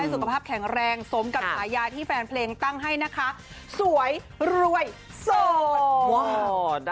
ให้สุขภาพแข็งแรงสมกับสายาที่แฟนเพลงตั้งให้สวยรวยสอน